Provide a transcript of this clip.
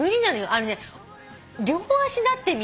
あのね両足なってみ。